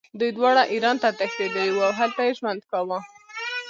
دوی دواړه ایران ته تښتېدلي وو او هلته یې ژوند کاوه.